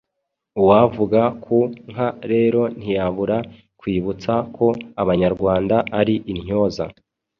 Uwavuga ku nka rero ntiyabura kwibutsa ko Abanyarwanda ari intyoza